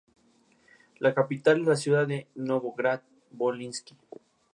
Proviene del nombre local del país, "Hrvatska".